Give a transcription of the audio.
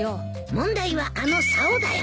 問題はあのさおだよ。